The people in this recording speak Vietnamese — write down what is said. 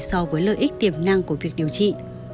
so với lợi ích tiềm năng của việc điều trị